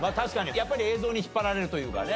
やっぱり映像に引っ張られるというかね。